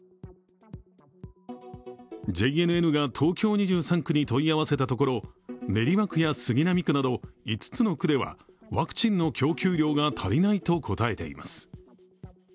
ＪＮＮが東京２３区に問い合わせたところ練馬区や杉並区など５つの区ではワクチンの供給量が足りないと答えています。